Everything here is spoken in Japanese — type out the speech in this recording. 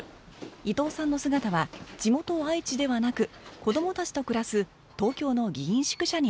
伊藤さんの姿は地元愛知ではなく子どもたちと暮らす東京の議員宿舎にありました